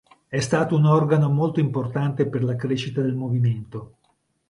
È stato un organo molto importante per la crescita del movimento.